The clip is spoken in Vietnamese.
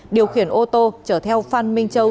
điều khiển ô tô chở theo phan minh châu